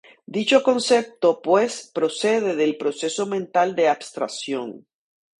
Dicho concepto, pues, procede del proceso mental de abstracción.